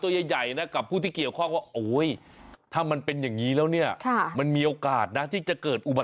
ส่วนอีกหลังหนึ่ง๑๘๗เมตรคุณชิสา